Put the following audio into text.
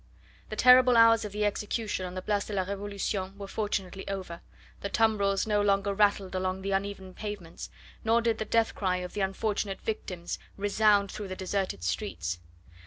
The terrible hours of the execution on the Place de la Revolution were fortunately over, the tumbrils no longer rattled along the uneven pavements, nor did the death cry of the unfortunate victims resound through the deserted streets.